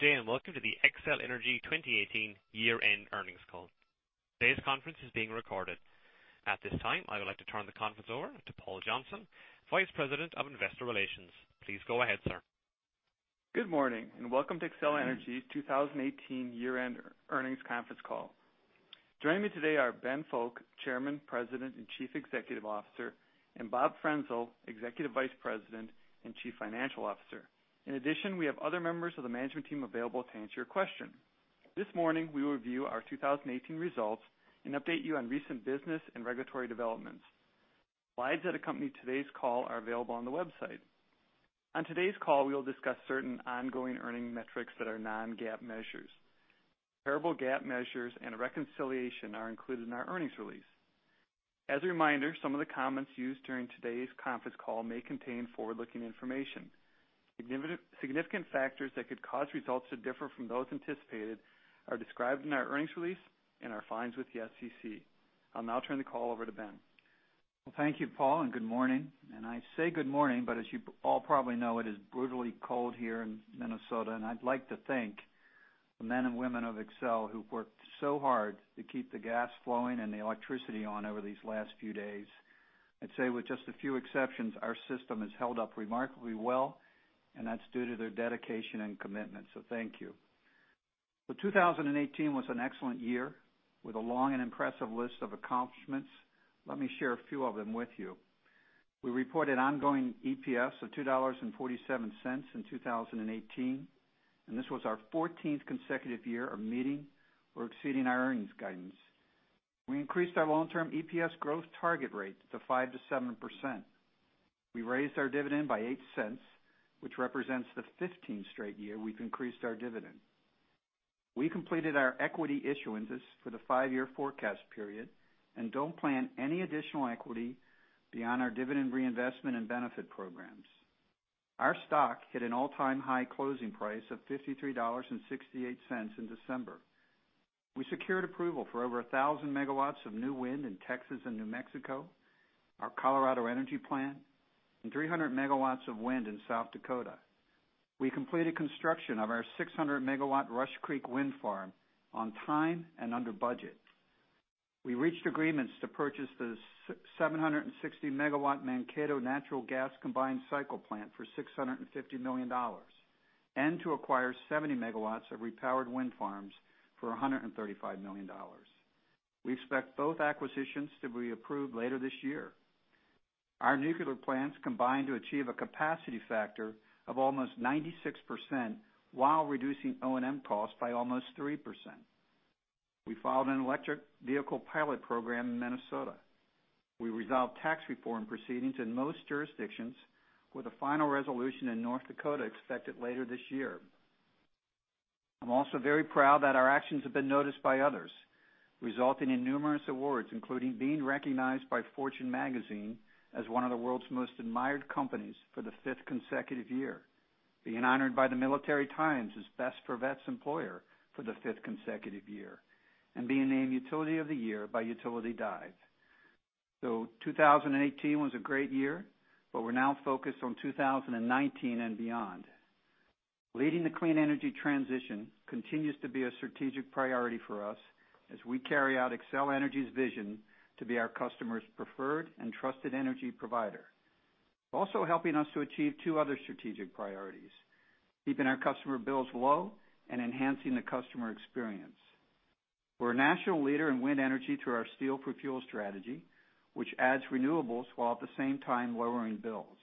Good day, welcome to the Xcel Energy 2018 year-end earnings call. Today's conference is being recorded. At this time, I would like to turn the conference over to Paul Johnson, Vice President of Investor Relations. Please go ahead, sir. Good morning, welcome to Xcel Energy's 2018 year-end earnings conference call. Joining me today are Ben Fowke, Chairman, President, and Chief Executive Officer, Bob Frenzel, Executive Vice President and Chief Financial Officer. In addition, we have other members of the management team available to answer your questions. This morning, we will review our 2018 results and update you on recent business and regulatory developments. Slides that accompany today's call are available on the website. On today's call, we will discuss certain ongoing earning metrics that are non-GAAP measures. Comparable GAAP measures and a reconciliation are included in our earnings release. As a reminder, some of the comments used during today's conference call may contain forward-looking information. Significant factors that could cause results to differ from those anticipated are described in our earnings release and are filed with the SEC. I'll now turn the call over to Ben. Well, thank you, Paul, good morning. I say good morning, as you all probably know, it is brutally cold here in Minnesota, I'd like to thank the men and women of Xcel who've worked so hard to keep the gas flowing and the electricity on over these last few days. I'd say with just a few exceptions, our system has held up remarkably well, that's due to their dedication and commitment. Thank you. 2018 was an excellent year with a long and impressive list of accomplishments. Let me share a few of them with you. We reported ongoing EPS of $2.47 in 2018, this was our 14th consecutive year of meeting or exceeding our earnings guidance. We increased our long-term EPS growth target rate to 5%-7%. We raised our dividend by $0.08, which represents the 15th straight year we've increased our dividend. We completed our equity issuances for the five-year forecast period and don't plan any additional equity beyond our dividend reinvestment and benefit programs. Our stock hit an all-time high closing price of $53.68 in December. We secured approval for over 1,000 megawatts of new wind in Texas and New Mexico, our Colorado Energy Plan, and 300 megawatts of wind in South Dakota. We completed construction of our 600-megawatt Rush Creek wind farm on time and under budget. We reached agreements to purchase the 760-megawatt Mankato natural gas combined cycle plant for $650 million and to acquire 70 megawatts of repowered wind farms for $135 million. We expect both acquisitions to be approved later this year. Our nuclear plants combined to achieve a capacity factor of almost 96% while reducing O&M costs by almost 3%. We filed an electric vehicle pilot program in Minnesota. We resolved tax reform proceedings in most jurisdictions with a final resolution in North Dakota expected later this year. I'm also very proud that our actions have been noticed by others, resulting in numerous awards, including being recognized by Fortune Magazine as one of the world's most admired companies for the fifth consecutive year, being honored by the Military Times as Best for Vets Employer for the fifth consecutive year, and being named Utility of the Year by Utility Dive. 2018 was a great year, but we're now focused on 2019 and beyond. Leading the clean energy transition continues to be a strategic priority for us as we carry out Xcel Energy's vision to be our customers' preferred and trusted energy provider. Also helping us to achieve two other strategic priorities, keeping our customer bills low and enhancing the customer experience. We're a national leader in wind energy through our Steel for Fuel strategy, which adds renewables while at the same time lowering bills.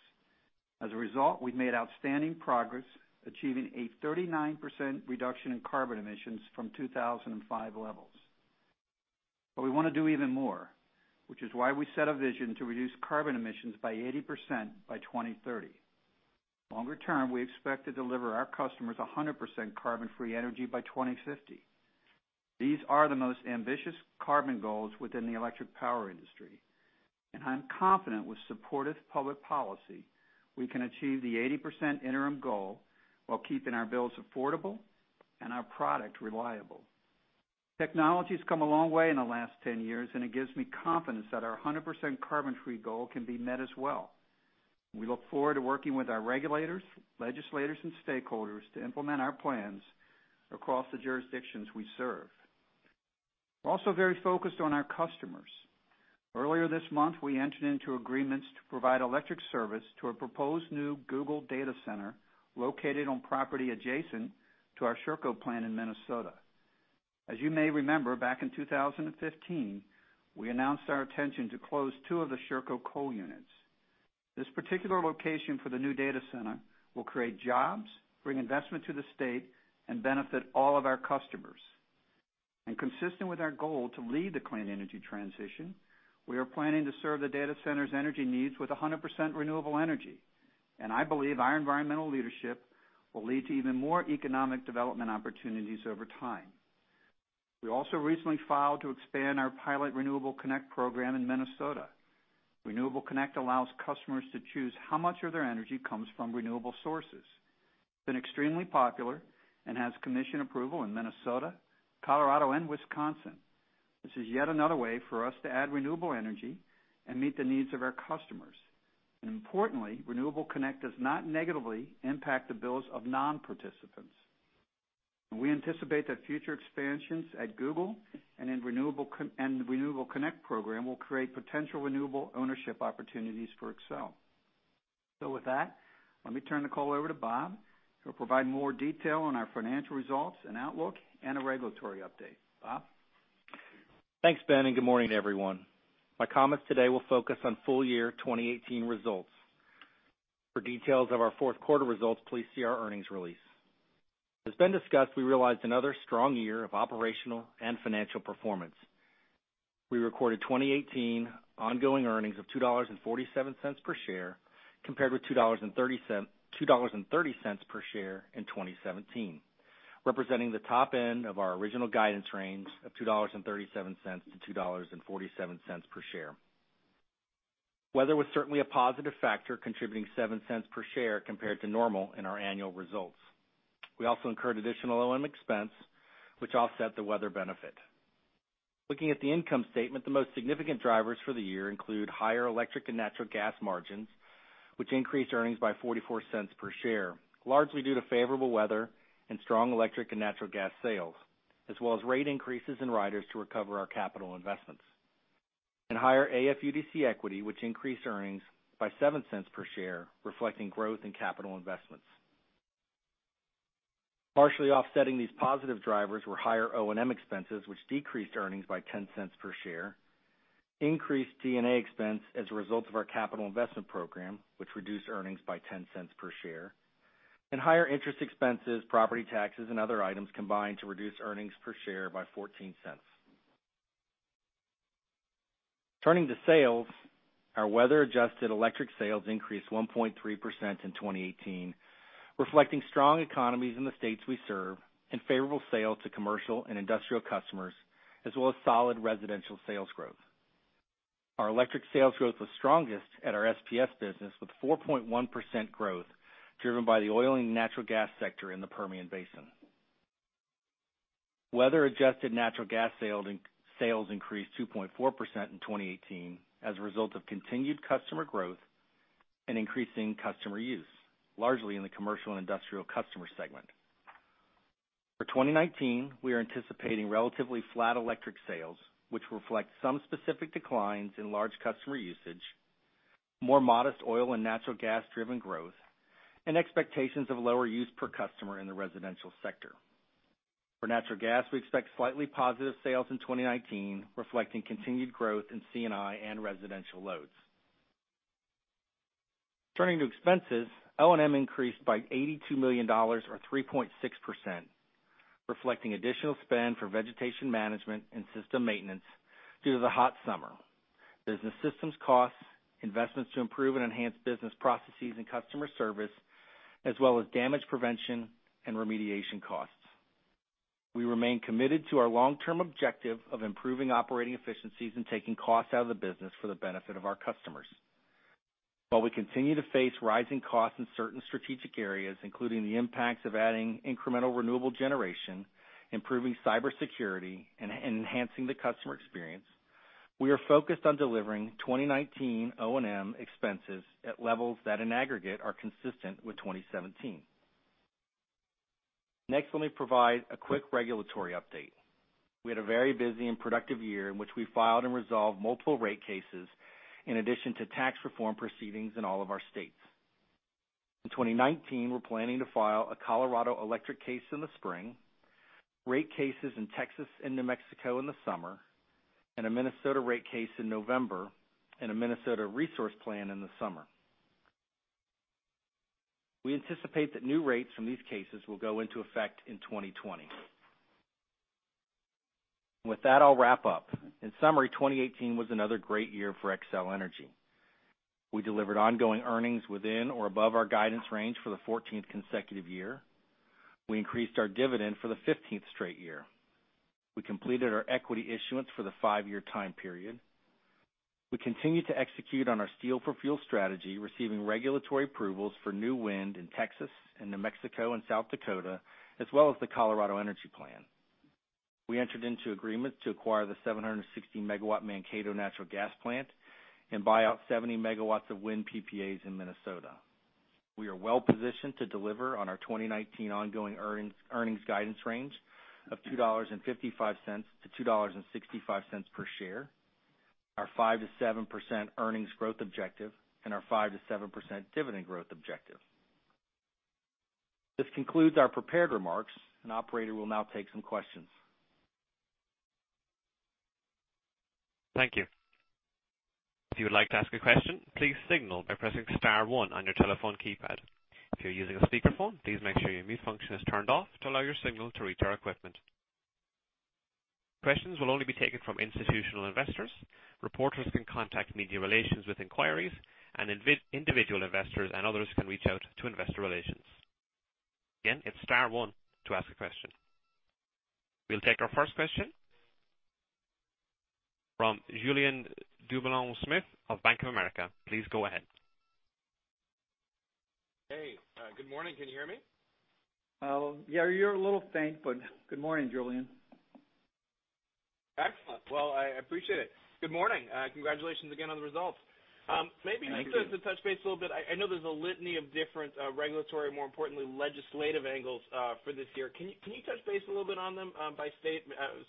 As a result, we've made outstanding progress, achieving a 39% reduction in carbon emissions from 2005 levels. We want to do even more, which is why we set a vision to reduce carbon emissions by 80% by 2030. Longer term, we expect to deliver our customers 100% carbon-free energy by 2050. These are the most ambitious carbon goals within the electric power industry, and I'm confident with supportive public policy, we can achieve the 80% interim goal while keeping our bills affordable and our product reliable. Technology's come a long way in the last ten years, and it gives me confidence that our 100% carbon-free goal can be met as well. We look forward to working with our regulators, legislators, and stakeholders to implement our plans across the jurisdictions we serve. We're also very focused on our customers. Earlier this month, we entered into agreements to provide electric service to a proposed new Google data center located on property adjacent to our Sherco plant in Minnesota. As you may remember, back in 2015, we announced our intention to close two of the Sherco coal units. This particular location for the new data center will create jobs, bring investment to the state, and benefit all of our customers. Consistent with our goal to lead the clean energy transition, we are planning to serve the data center's energy needs with 100% renewable energy, and I believe our environmental leadership will lead to even more economic development opportunities over time. We also recently filed to expand our pilot Renewable Connect program in Minnesota. Renewable Connect allows customers to choose how much of their energy comes from renewable sources. It's been extremely popular and has commission approval in Minnesota, Colorado, and Wisconsin. This is yet another way for us to add renewable energy and meet the needs of our customers. Importantly, Renewable Connect does not negatively impact the bills of non-participants. We anticipate that future expansions at Google and the Renewable Connect program will create potential renewable ownership opportunities for Xcel. With that, let me turn the call over to Bob, who'll provide more detail on our financial results and outlook and a regulatory update. Bob? Thanks, Ben, and good morning, everyone. My comments today will focus on full-year 2018 results. For details of our fourth quarter results, please see our earnings release. As Ben discussed, we realized another strong year of operational and financial performance. We recorded 2018 ongoing earnings of $2.47 per share, compared with $2.30 per share in 2017, representing the top end of our original guidance range of $2.37-$2.47 per share. Weather was certainly a positive factor, contributing $0.07 per share compared to normal in our annual results. We also incurred additional O&M expense, which offset the weather benefit. Looking at the income statement, the most significant drivers for the year include higher electric and natural gas margins, which increased earnings by $0.44 per share, largely due to favorable weather and strong electric and natural gas sales, as well as rate increases in riders to recover our capital investments. Higher AFUDC equity, which increased earnings by $0.07 per share, reflecting growth in capital investments. Partially offsetting these positive drivers were higher O&M expenses, which decreased earnings by $0.10 per share, increased D&A expense as a result of our capital investment program, which reduced earnings by $0.10 per share, and higher interest expenses, property taxes, and other items combined to reduce earnings per share by $0.14. Turning to sales, our weather-adjusted electric sales increased 1.3% in 2018, reflecting strong economies in the states we serve and favorable sales to commercial and industrial customers, as well as solid residential sales growth. Our electric sales growth was strongest at our SPS business, with 4.1% growth, driven by the oil and natural gas sector in the Permian Basin. Weather-adjusted natural gas sales increased 2.4% in 2018 as a result of continued customer growth and increasing customer use, largely in the commercial and industrial customer segment. For 2019, we are anticipating relatively flat electric sales, which reflect some specific declines in large customer usage, more modest oil and natural gas-driven growth, and expectations of lower use per customer in the residential sector. For natural gas, we expect slightly positive sales in 2019, reflecting continued growth in C&I and residential loads. Turning to expenses, O&M increased by $82 million, or 3.6%, reflecting additional spend for vegetation management and system maintenance due to the hot summer. Business systems costs, investments to improve and enhance business processes and customer service, as well as damage prevention and remediation costs. We remain committed to our long-term objective of improving operating efficiencies and taking costs out of the business for the benefit of our customers. While we continue to face rising costs in certain strategic areas, including the impacts of adding incremental renewable generation, improving cybersecurity, and enhancing the customer experience, we are focused on delivering 2019 O&M expenses at levels that, in aggregate, are consistent with 2017. Let me provide a quick regulatory update. We had a very busy and productive year in which we filed and resolved multiple rate cases, in addition to tax reform proceedings in all of our states. In 2019, we're planning to file a Colorado electric case in the spring, rate cases in Texas and New Mexico in the summer, a Minnesota rate case in November, and a Minnesota resource plan in the summer. We anticipate that new rates from these cases will go into effect in 2020. With that, I'll wrap up. In summary, 2018 was another great year for Xcel Energy. We delivered ongoing earnings within or above our guidance range for the 14th consecutive year. We increased our dividend for the 15th straight year. We completed our equity issuance for the five-year time period. We continue to execute on our Steel for Fuel strategy, receiving regulatory approvals for new wind in Texas and New Mexico and South Dakota, as well as the Colorado Energy Plan. We entered into agreements to acquire the 760-megawatt Mankato natural gas plant and buy out 70 megawatts of wind PPAs in Minnesota. We are well-positioned to deliver on our 2019 ongoing earnings guidance range of $2.55-$2.65 per share, our 5%-7% earnings growth objective, and our 5%-7% dividend growth objective. This concludes our prepared remarks, operator will now take some questions. Thank you. If you would like to ask a question, please signal by pressing *1 on your telephone keypad. If you're using a speakerphone, please make sure your mute function is turned off to allow your signal to reach our equipment. Questions will only be taken from institutional investors. Reporters can contact Media Relations with inquiries, individual investors and others can reach out to Investor Relations. Again, it's *1 to ask a question. We'll take our first question from Julien Dumoulin-Smith of Bank of America. Please go ahead. Hey. Good morning. Can you hear me? Yeah, you're a little faint, but good morning, Julien. Well, I appreciate it. Good morning. Congratulations again on the results. Thank you. Maybe just to touch base a little bit, I know there's a litany of different regulatory, more importantly, legislative angles for this year. Can you touch base a little bit on them by state,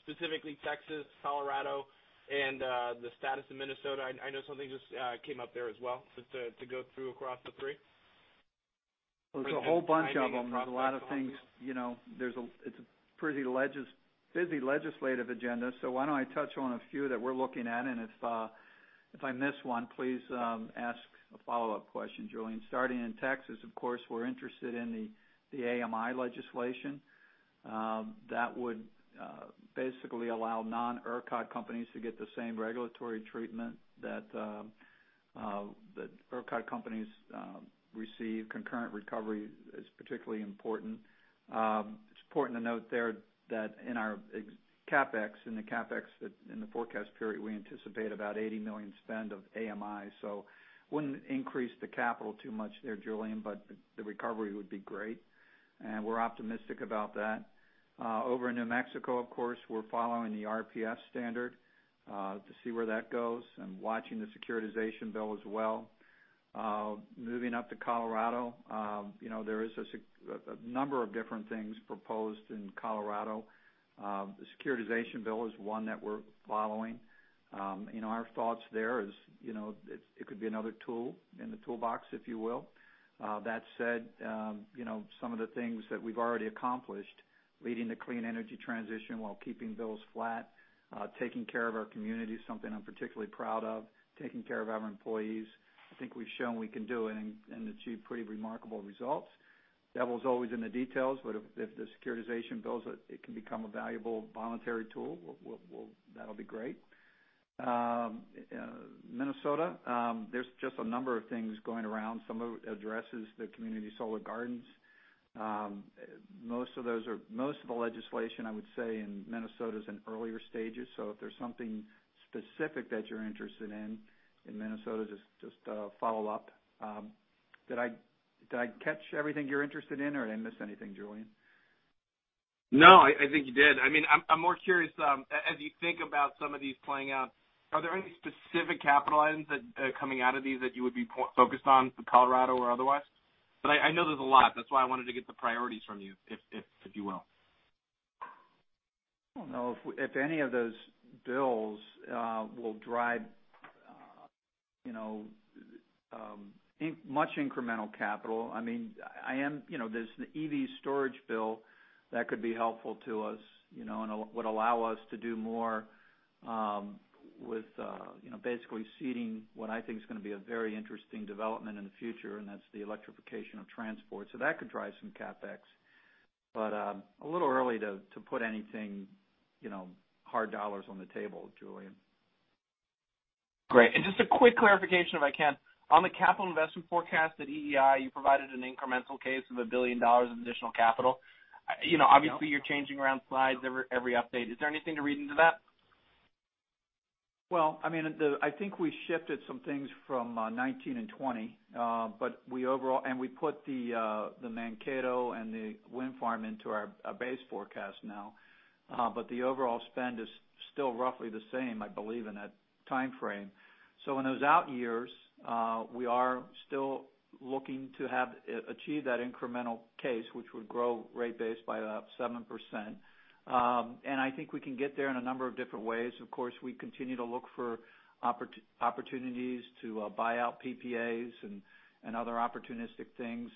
specifically Texas, Colorado, and the status of Minnesota? I know something just came up there as well, just to go through across the three. There's a whole bunch of them. There's a lot of things. It's a pretty busy legislative agenda. Why don't I touch on a few that we're looking at, and if I miss one, please ask a follow-up question, Julien. Starting in Texas, of course, we're interested in the AMI legislation. That would basically allow non-ERCOT companies to get the same regulatory treatment that ERCOT companies receive. Concurrent recovery is particularly important. It's important to note there that in our CapEx, in the CapEx in the forecast period, we anticipate about $80 million spend of AMI. Wouldn't increase the capital too much there, Julien, but the recovery would be great, and we're optimistic about that. Over in New Mexico, of course, we're following the RPS standard to see where that goes and watching the securitization bill as well. Moving up to Colorado, there is a number of different things proposed in Colorado. The securitization bill is one that we're following. Our thoughts there is, it could be another tool in the toolbox, if you will. That said, some of the things that we've already accomplished, leading the clean energy transition while keeping bills flat, taking care of our community is something I'm particularly proud of, taking care of our employees. I think we've shown we can do it and achieve pretty remarkable results. Devil's always in the details, if the securitization bills, it can become a valuable voluntary tool, that'll be great. Minnesota, there's just a number of things going around. Some of it addresses the community solar gardens. Most of the legislation, I would say, in Minnesota is in earlier stages. If there's something specific that you're interested in in Minnesota, just follow up. Did I catch everything you're interested in, or did I miss anything, Julien? No, I think you did. I'm more curious, as you think about some of these playing out, are there any specific capital items that are coming out of these that you would be focused on for Colorado or otherwise? I know there's a lot. That's why I wanted to get the priorities from you, if you will. I don't know if any of those bills will drive much incremental capital. There's an EV storage bill that could be helpful to us, and would allow us to do more with basically seeding what I think is going to be a very interesting development in the future, and that's the electrification of transport. That could drive some CapEx. A little early to put anything hard dollars on the table, Julien. Great. Just a quick clarification if I can. On the capital investment forecast at EEI, you provided an incremental case of $1 billion in additional capital. Yep. Obviously, you're changing around slides every update. Is there anything to read into that? Well, I think we shifted some things from 2019 and 2020. We put the Mankato and the wind farm into our base forecast now. The overall spend is still roughly the same, I believe, in that timeframe. In those out years, we are still looking to achieve that incremental case, which would grow rate base by about 7%. I think we can get there in a number of different ways. Of course, we continue to look for opportunities to buy out PPAs and other opportunistic things.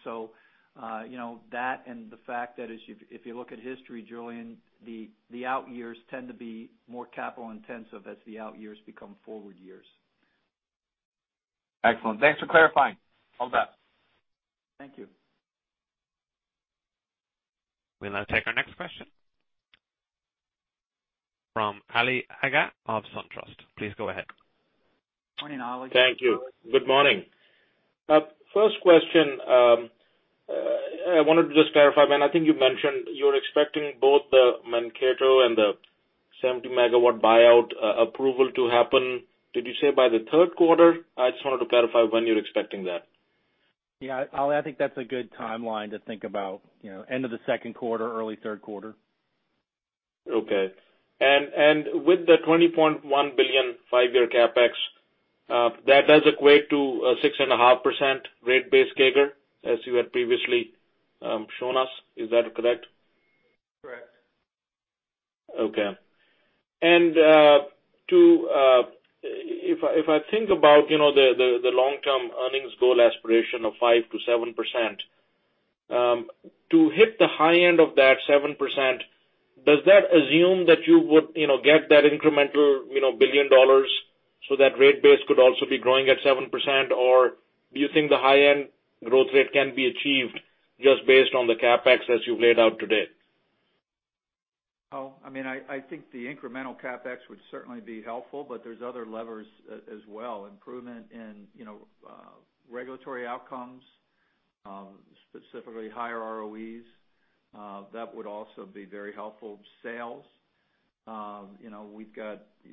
That and the fact that if you look at history, Julien, the out years tend to be more capital intensive as the out years become forward years. Excellent. Thanks for clarifying. All done. Thank you. We'll now take our next question from Ali Agha of SunTrust. Please go ahead. Morning, Ali. Thank you. Good morning. First question. I wanted to just clarify, Ben, I think you mentioned you're expecting both the Mankato and the 70-megawatt buyout approval to happen, did you say by the third quarter? I just wanted to clarify when you're expecting that. Yeah, Ali, I think that's a good timeline to think about. End of the second quarter, early third quarter. Okay. With the $20.1 billion five-year CapEx, that does equate to a 6.5% rate base CAGR, as you had previously shown us. Is that correct? Correct. Okay. If I think about the long-term earnings goal aspiration of 5%-7%, to hit the high end of that 7%, does that assume that you would get that incremental $1 billion so that rate base could also be growing at 7%? Or do you think the high-end growth rate can be achieved just based on the CapEx as you've laid out to date? I think the incremental CapEx would certainly be helpful. There's other levers as well. Improvement in regulatory outcomes, specifically higher ROEs. That would also be very helpful. Sales.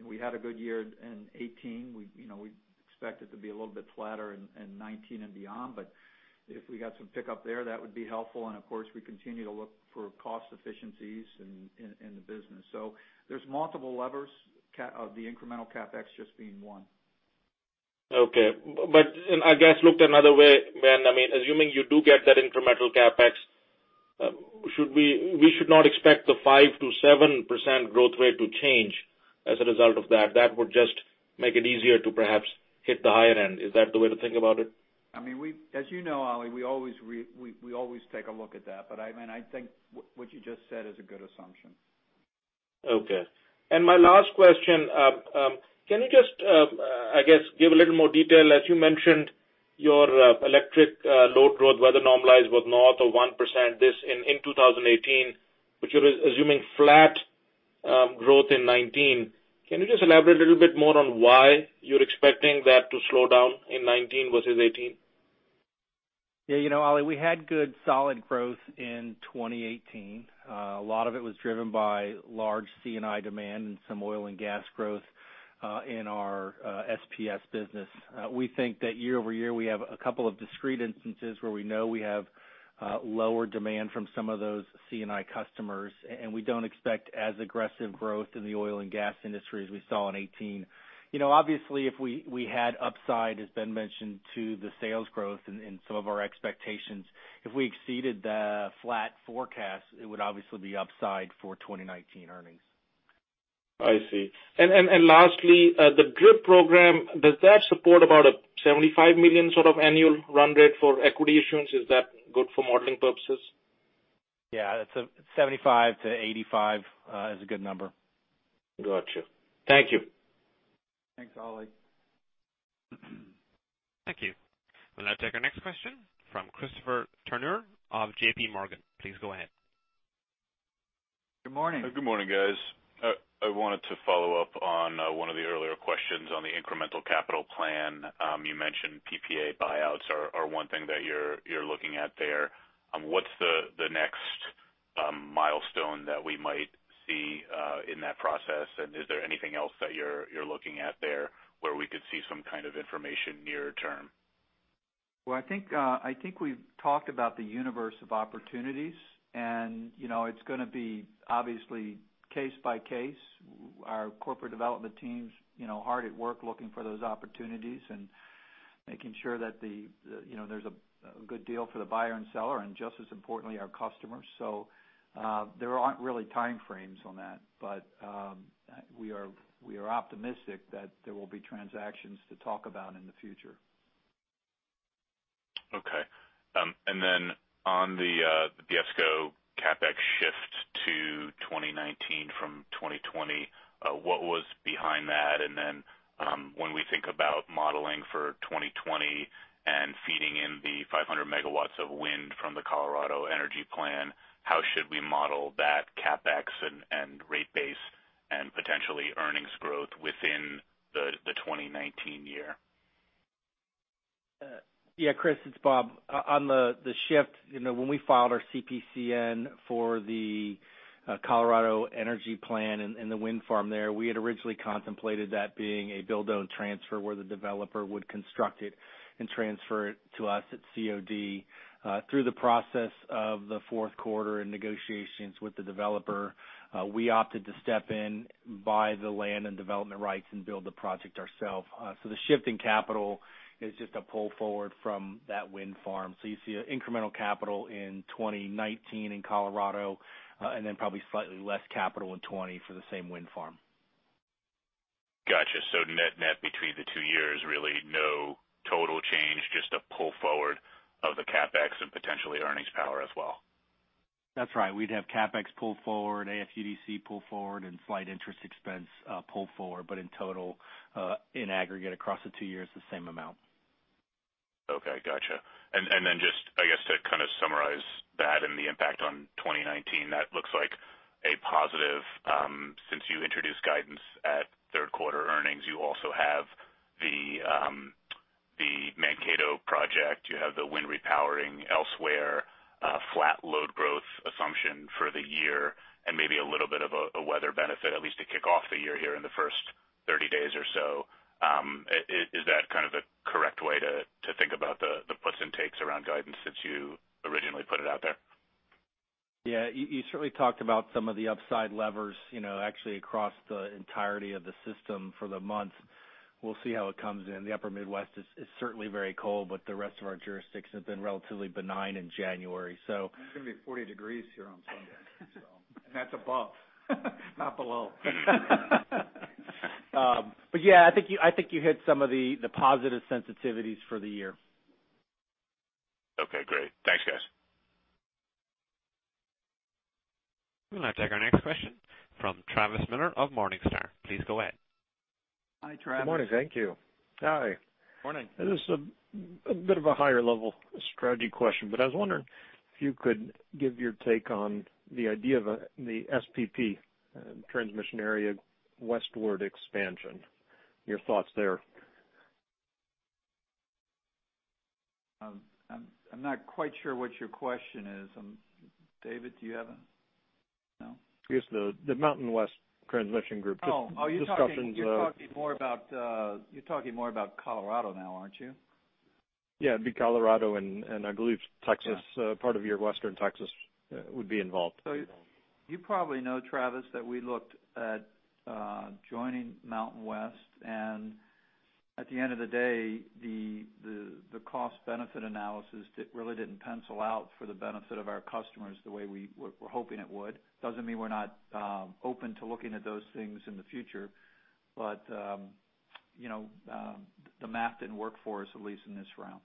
We had a good year in 2018. We expect it to be a little bit flatter in 2019 and beyond. If we got some pickup there, that would be helpful, and of course, we continue to look for cost efficiencies in the business. There's multiple levers. The incremental CapEx just being one. Okay. I guess looked another way, Ben, assuming you do get that incremental CapEx, we should not expect the 5%-7% growth rate to change as a result of that. That would just make it easier to perhaps hit the higher end. Is that the way to think about it? As you know, Ali, we always take a look at that. I think what you just said is a good assumption. My last question, can you just, I guess give a little more detail? As you mentioned, your electric load growth weather normalized was north of 1% in 2018, but you're assuming flat growth in 2019. Can you just elaborate a little bit more on why you're expecting that to slow down in 2019 versus 2018? Yeah. Ali, we had good solid growth in 2018. A lot of it was driven by large C&I demand and some oil and gas growth in our SPS business. We think that year-over-year, we have a couple of discrete instances where we know we have lower demand from some of those C&I customers, and we don't expect as aggressive growth in the oil and gas industry as we saw in 2018. Obviously, if we had upside, as Ben mentioned, to the sales growth and some of our expectations, if we exceeded the flat forecast, it would obviously be upside for 2019 earnings. I see. Lastly, the DRIP program, does that support about a $75 million sort of annual run rate for equity issuance? Is that good for modeling purposes? Yeah. 75 to 85 is a good number. Got you. Thank you. Thanks, Ali. Thank you. We'll now take our next question from Christopher Turnure of JPMorgan. Please go ahead. Good morning. Good morning, guys. I wanted to follow up on one of the earlier questions on the incremental capital plan. You mentioned PPA buyouts are one thing that you're looking at there. What's the next milestone that we might see in that process, and is there anything else that you're looking at there where we could see some kind of information nearer term? I think we've talked about the universe of opportunities, and it's going to be obviously case by case. Our corporate development team's hard at work looking for those opportunities and making sure that there's a good deal for the buyer and seller, and just as importantly, our customers. There aren't really time frames on that, but we are optimistic that there will be transactions to talk about in the future. Okay. On the PSCo CapEx shift to 2019 from 2020, what was behind that? When we think about modeling for 2020 and feeding in the 500 megawatts of wind from the Colorado Energy Plan, how should we model that CapEx and rate base and potentially earnings growth within the 2019 year? Yeah, Chris, it's Bob. On the shift, when we filed our CPCN for the Colorado Energy Plan and the wind farm there, we had originally contemplated that being a build, own, transfer, where the developer would construct it and transfer it to us at COD. Through the process of the fourth quarter and negotiations with the developer, we opted to step in, buy the land and development rights, and build the project ourself. The shift in capital is just a pull forward from that wind farm. You see incremental capital in 2019 in Colorado, then probably slightly less capital in 2020 for the same wind farm. Got you. Net between the two years, really no total change, just a pull forward of the CapEx and potentially earnings power as well. That's right. We'd have CapEx pulled forward, AFUDC pulled forward, and slight interest expense pulled forward, but in total, in aggregate across the two years, the same amount. Okay. Got you. Just, I guess to kind of summarize that and the impact on 2019, that looks like a positive. Since you introduced guidance at third quarter earnings, you also have the Mankato project, you have the wind repowering elsewhere, flat load growth assumption for the year, and maybe a little bit of a weather benefit, at least to kick off the year here in the first 30 days or so. Is that kind of the correct way to think about the puts and takes around guidance since you originally put it out there? Yeah. You certainly talked about some of the upside levers actually across the entirety of the system for the month. We'll see how it comes in. The upper Midwest is certainly very cold, but the rest of our jurisdictions have been relatively benign in January. It's going to be 40 degrees here on Sunday. That's above, not below. Yeah, I think you hit some of the positive sensitivities for the year. Okay, great. Thanks, guys. We'll now take our next question from Travis Miller of Morningstar. Please go ahead. Hi, Travis. Good morning. Thank you. Hi. Morning. This is a bit of a higher-level strategy question, but I was wondering if you could give your take on the idea of the SPP transmission area westward expansion, your thoughts there. I'm not quite sure what your question is. David, do you have No? I guess the Mountain West Transmission Group discussions. Oh, you're talking more about Colorado now, aren't you? Yeah. It'd be Colorado and I believe Texas, part of your Western Texas would be involved. You probably know, Travis, that we looked at joining Mountain West, at the end of the day, the cost-benefit analysis really didn't pencil out for the benefit of our customers the way we were hoping it would. Doesn't mean we're not open to looking at those things in the future, the math didn't work for us, at least in this round.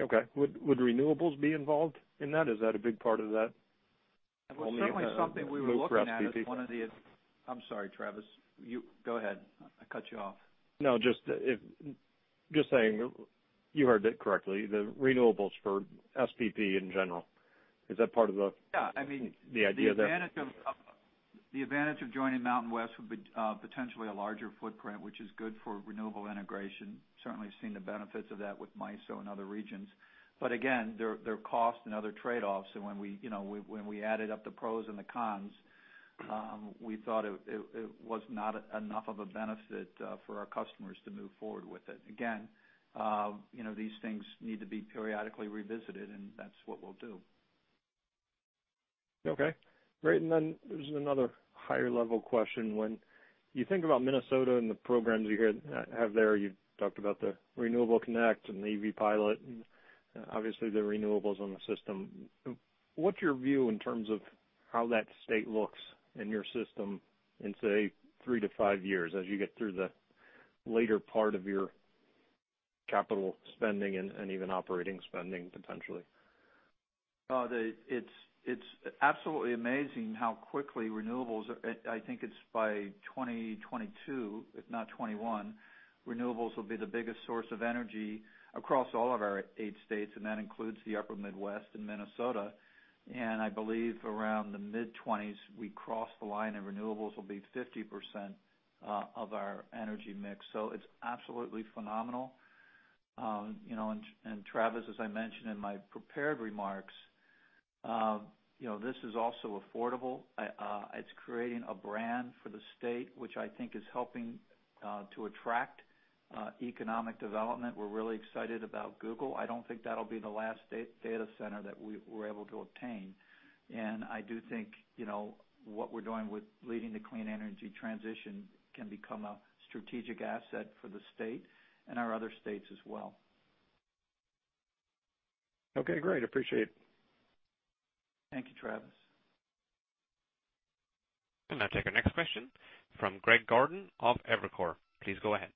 Okay. Would renewables be involved in that? Is that a big part of that? It was certainly something we were looking at as one of the I'm sorry, Travis. Go ahead. I cut you off. No, just saying, you heard it correctly, the renewables for SPP in general. Is that part of? Yeah. The idea there? The advantage of joining Mountain West would be potentially a larger footprint, which is good for renewable integration. Certainly seen the benefits of that with MISO and other regions. Again, there are costs and other trade-offs, and when we added up the pros and the cons, we thought it was not enough of a benefit for our customers to move forward with it. Again, these things need to be periodically revisited, and that's what we'll do. Okay, great. Then there's another higher-level question. When you think about Minnesota and the programs you have there, you talked about the Renewable Connect and the EV pilot, and obviously the renewables on the system. What's your view in terms of how that state looks in your system in, say, three to five years, as you get through the later part of your capital spending and even operating spending potentially? It's absolutely amazing how quickly renewables, I think it's by 2022, if not 2021, renewables will be the biggest source of energy across all of our eight states, and that includes the upper Midwest and Minnesota. I believe around the mid-20s, we cross the line, and renewables will be 50% of our energy mix. It's absolutely phenomenal. Travis, as I mentioned in my prepared remarks, this is also affordable. It's creating a brand for the state, which I think is helping to attract economic development. We're really excited about Google. I don't think that'll be the last data center that we were able to obtain. I do think what we're doing with leading the clean energy transition can become a strategic asset for the state and our other states as well. Okay, great. Appreciate it. Thank you, Travis. We'll now take our next question from Greg Gordon of Evercore. Please go ahead.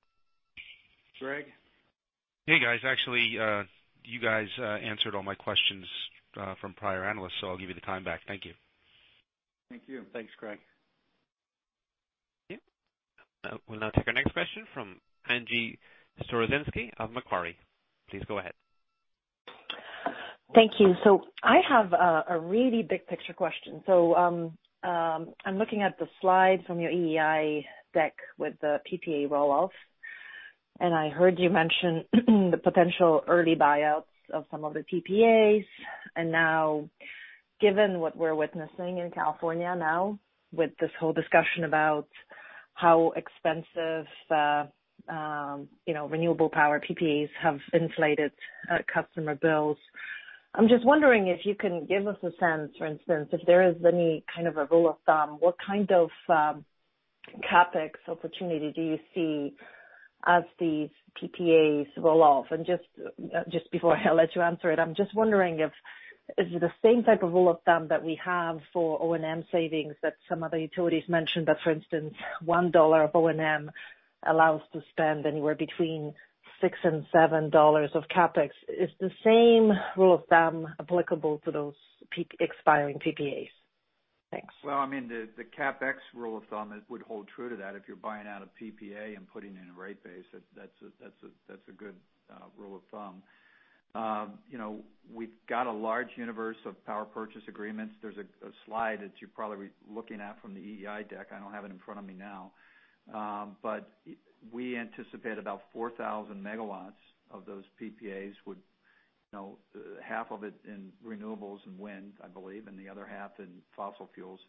Greg? Hey, guys. Actually, you guys answered all my questions from prior analysts. I'll give you the time back. Thank you. Thank you. Thanks, Greg. We'll now take our next question from Angie Storozynski of Macquarie. Please go ahead. Thank you. I have a really big-picture question. I'm looking at the slides from your EEI deck with the PPA roll-off, and I heard you mention the potential early buyouts of some of the PPAs. Now, given what we're witnessing in California now with this whole discussion about how expensive renewable power PPAs have inflated customer bills, I'm just wondering if you can give us a sense, for instance, if there is any kind of a rule of thumb, what kind of CapEx opportunity do you see as these PPAs roll off? Just before I let you answer it, I'm just wondering if it's the same type of rule of thumb that we have for O&M savings that some other utilities mentioned that, for instance, $1 of O&M allows to spend anywhere between $6 and $7 of CapEx. Is the same rule of thumb applicable to those peak expiring PPAs? Thanks. The CapEx rule of thumb would hold true to that if you're buying out a PPA and putting in a rate base, that's a good rule of thumb. We've got a large universe of power purchase agreements. There's a slide that you're probably looking at from the EEI deck, I don't have it in front of me now. We anticipate about 4,000 megawatts of those PPAs would, half of it in renewables and wind, I believe, and the other half in fossil fuels,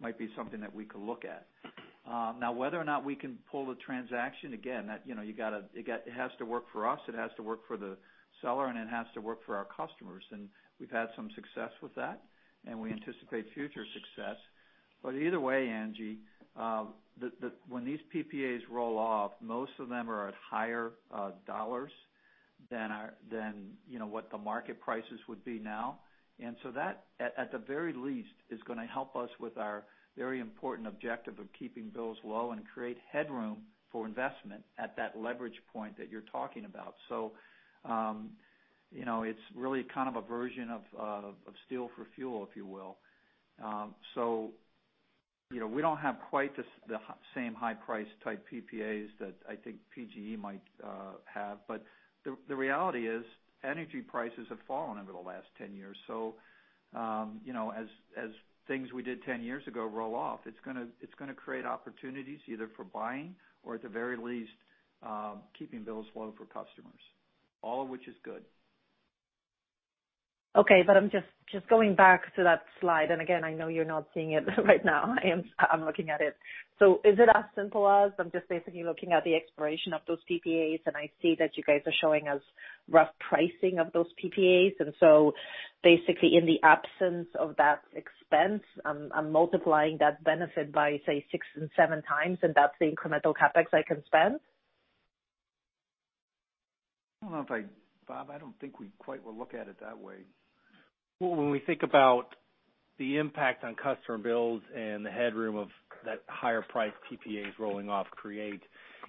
might be something that we could look at. Whether or not we can pull the transaction, again, it has to work for us, it has to work for the seller, and it has to work for our customers. We've had some success with that, and we anticipate future success. Either way, Angie, when these PPAs roll off, most of them are at higher dollars than what the market prices would be now. That, at the very least, is going to help us with our very important objective of keeping bills low and create headroom for investment at that leverage point that you're talking about. It's really kind of a version of Steel for Fuel, if you will. We don't have quite the same high-price type PPAs that I think PGE might have. The reality is energy prices have fallen over the last 10 years. As things we did 10 years ago roll off, it's going to create opportunities either for buying or at the very least, keeping bills low for customers. All of which is good. I'm just going back to that slide. Again, I know you're not seeing it right now. I'm looking at it. Is it as simple as I'm just basically looking at the expiration of those PPAs, and I see that you guys are showing us rough pricing of those PPAs? Basically, in the absence of that expense, I'm multiplying that benefit by, say, six and seven times, and that's the incremental CapEx I can spend? Bob, I don't think we quite will look at it that way. When we think about the impact on customer bills and the headroom of that higher price PPAs rolling off create,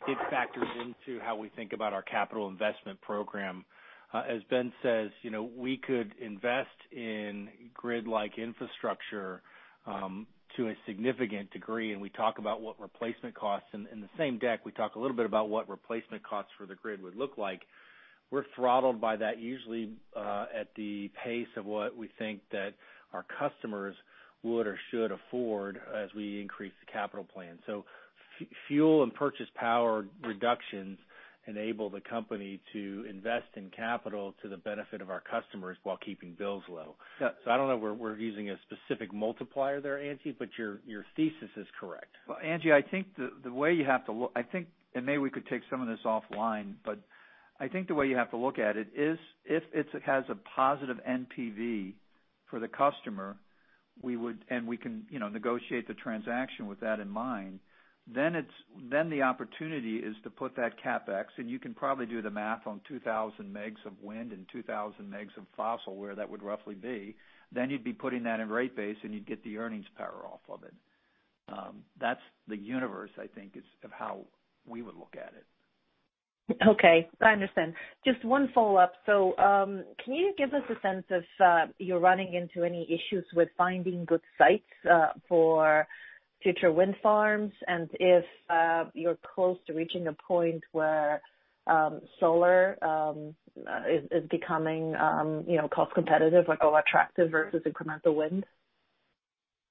it factors into how we think about our capital investment program. As Ben says, we could invest in grid-like infrastructure to a significant degree, and we talk about what replacement costs. In the same deck, we talk a little bit about what replacement costs for the grid would look like. We're throttled by that usually at the pace of what we think that our customers would or should afford as we increase the capital plan. Fuel and purchase power reductions enable the company to invest in capital to the benefit of our customers while keeping bills low. I don't know if we're using a specific multiplier there, Angie, but your thesis is correct. Angie, I think the way you have to look, and maybe we could take some of this offline, but I think the way you have to look at it is, if it has a positive NPV for the customer, and we can negotiate the transaction with that in mind, the opportunity is to put that CapEx, and you can probably do the math on 2,000 megs of wind and 2,000 megs of fossil, where that would roughly be. You'd be putting that in rate base, and you'd get the earnings power off of it. That's the universe, I think is, of how we would look at it. Okay. I understand. Just one follow-up. Can you give us a sense if you're running into any issues with finding good sites for future wind farms, and if you're close to reaching a point where solar is becoming cost competitive or attractive versus incremental wind?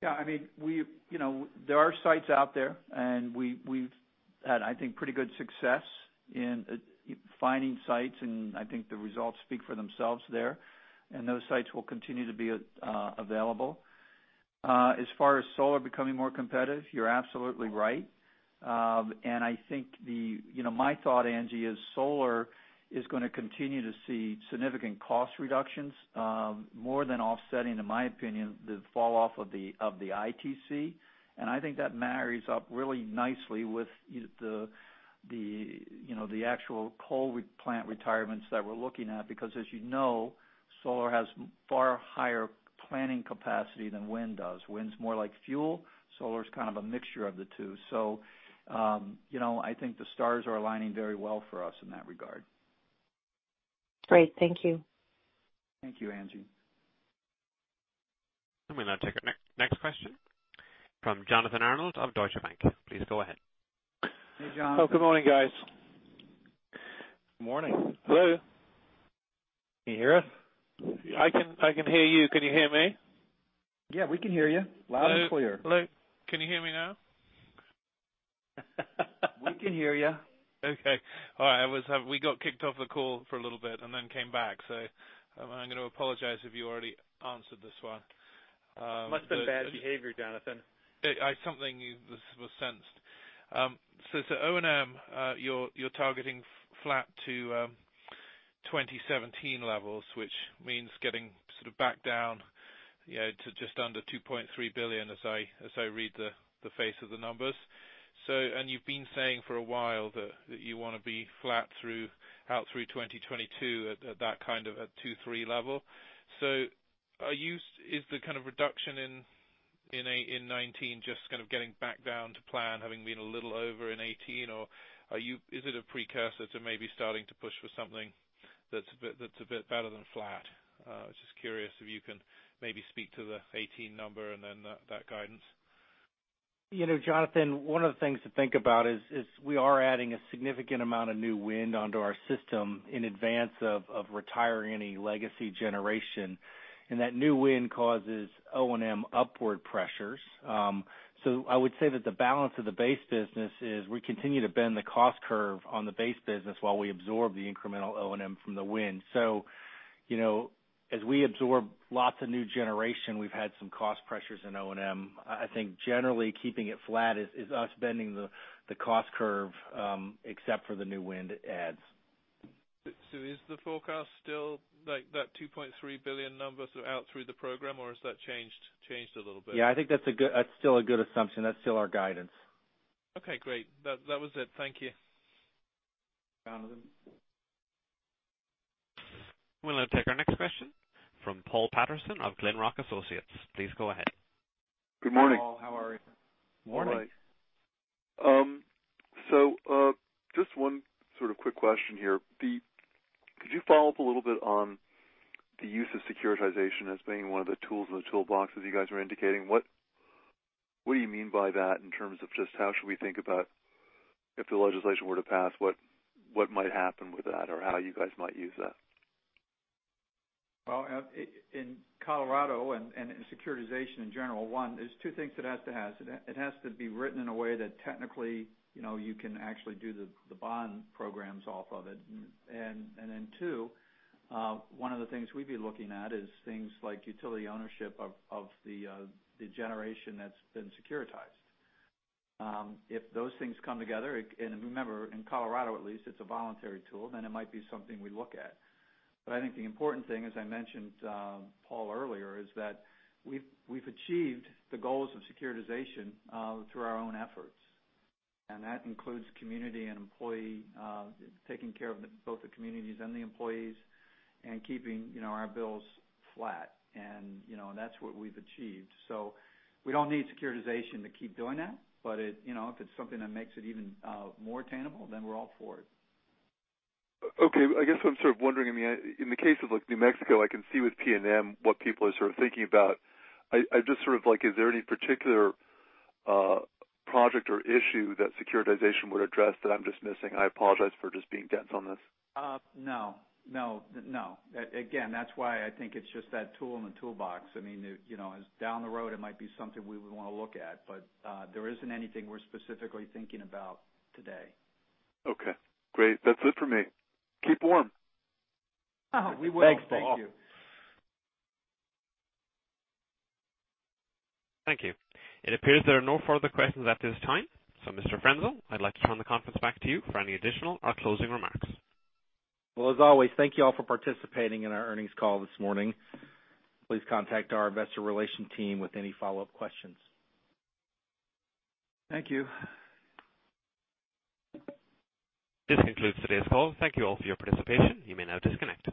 Yeah. There are sites out there, we've had, I think, pretty good success in finding sites, and I think the results speak for themselves there. Those sites will continue to be available. As far as solar becoming more competitive, you're absolutely right. I think my thought, Angie, is solar is going to continue to see significant cost reductions, more than offsetting, in my opinion, the falloff of the ITC. I think that marries up really nicely with the actual coal plant retirements that we're looking at, because as you know, solar has far higher planning capacity than wind does. Wind's more like fuel. Solar is kind of a mixture of the two. I think the stars are aligning very well for us in that regard. Great. Thank you. Thank you, Angie. We'll now take our next question from Jonathan Arnold of Deutsche Bank. Please go ahead. Hey, Jon. Oh, good morning, guys. Morning. Hello? Can you hear us? I can hear you. Can you hear me? Yeah, we can hear you loud and clear. Hello. Can you hear me now? We can hear you. Okay. All right. We got kicked off the call for a little bit and then came back, so I'm going to apologize if you already answered this one. Must have been bad behavior, Jonathan. Something was sensed. O&M, you're targeting flat to 2017 levels, which means getting sort of back down to just under $2.3 billion, as I read the face of the numbers. You've been saying for a while that you want to be flat out through 2022 at that kind of a $2.3 level. Is the kind of reduction in 2019 just kind of getting back down to plan, having been a little over in 2018, or is it a precursor to maybe starting to push for something that's a bit better than flat? I was just curious if you can maybe speak to the 2018 number and then that guidance. Jonathan, one of the things to think about is we are adding a significant amount of new wind onto our system in advance of retiring any legacy generation. That new wind causes O&M upward pressures. I would say that the balance of the base business is we continue to bend the cost curve on the base business while we absorb the incremental O&M from the wind. As we absorb lots of new generation, we've had some cost pressures in O&M. I think generally keeping it flat is us bending the cost curve except for the new wind it adds. Is the forecast still like that $2.3 billion numbers out through the program, or has that changed a little bit? Yeah, I think that's still a good assumption. That's still our guidance. Okay, great. That was it. Thank you. Jonathan. We'll now take our next question from Paul Patterson of Glenrock Associates. Please go ahead. Good morning. Paul, how are you? Morning. All right. Just one sort of quick question here. Could you follow up a little bit on the use of securitization as being one of the tools in the toolbox, as you guys are indicating? What do you mean by that in terms of just how should we think about if the legislation were to pass, what might happen with that or how you guys might use that? In Colorado and in securitization in general, one, there's two things it has to have. It has to be written in a way that technically you can actually do the bond programs off of it. Two, one of the things we'd be looking at is things like utility ownership of the generation that's been securitized. If those things come together, and remember, in Colorado at least, it's a voluntary tool, then it might be something we look at. I think the important thing, as I mentioned, Paul, earlier, is that we've achieved the goals of securitization through our own efforts, and that includes taking care of both the communities and the employees and keeping our bills flat. That's what we've achieved. We don't need securitization to keep doing that. If it's something that makes it even more attainable, then we're all for it. Okay. I guess I'm sort of wondering, in the case of New Mexico, I can see with PNM what people are sort of thinking about. Is there any particular project or issue that securitization would address that I'm just missing? I apologize for just being dense on this. No. That's why I think it's just that tool in the toolbox. Down the road, it might be something we would want to look at, but there isn't anything we're specifically thinking about today. Okay, great. That's it for me. Keep warm. Oh, we will. Thank you. Thanks, Paul. Thank you. It appears there are no further questions at this time. Mr. Frenzel, I'd like to turn the conference back to you for any additional or closing remarks. Well, as always, thank you all for participating in our earnings call this morning. Please contact our investor relations team with any follow-up questions. Thank you. This concludes today's call. Thank you all for your participation. You may now disconnect.